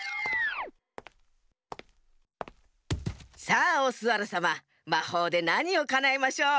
さあオスワルさままほうでなにをかなえましょう？